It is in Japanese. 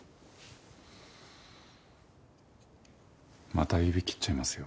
また指切っちゃいますよ。